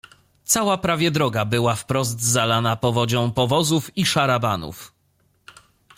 "Cała prawie droga była wprost zalana powodzią powozów i szarabanów."